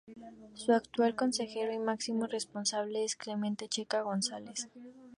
Su actual consejero y máximo responsable es Clemente Checa González.